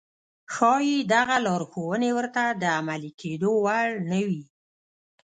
ښايي دغه لارښوونې ورته د عملي کېدو وړ نه وي.